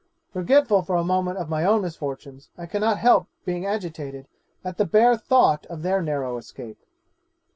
Forgetful for a moment of my own misfortunes, I cannot help being agitated at the bare thought of their narrow escape.